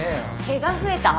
毛が増えた？